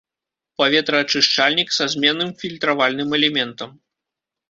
Паветраачышчальнік са зменным фільтравальным элементам.